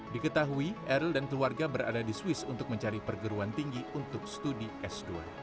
diketahui eril dan keluarga berada di swiss untuk mencari perguruan tinggi untuk studi s dua